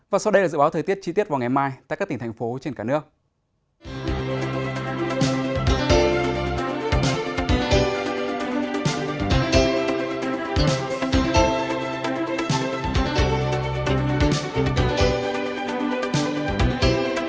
và sau đây là dự báo thời tiết chi tiết vào ngày mai tại các tỉnh thành phố trên cả nước